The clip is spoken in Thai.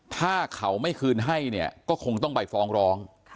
ถ้าเขาไม่คืนให้เนี่ยก็คงต้องไปฟ้องร้อง